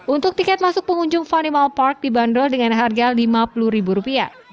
untuk tiket masuk pengunjung funimal park dibanderol dengan harga lima puluh ribu rupiah